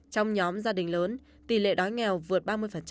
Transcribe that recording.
trong nhóm gia đình lớn tỷ lệ đói nghèo vượt ba mươi